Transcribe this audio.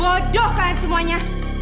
bodoh kalian semuanya